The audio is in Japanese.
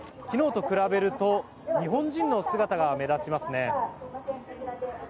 昨日と比べると日本人の姿が目立ちますね。